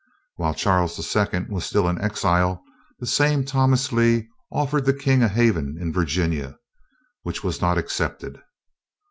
While Charles II was still in exile, this same Thomas Lee offered the king a haven in Virginia, which was not accepted.